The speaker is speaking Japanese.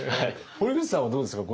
堀口さんはどうですか？